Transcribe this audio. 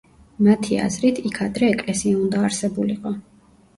მათი აზრით იქ ადრე ეკლესია უნდა არსებულიყო.